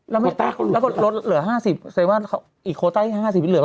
แล้วก็ลดเหลือ๕๐บาทแสดงว่าอีกโควต้าอีก๕๐บาทเหลือ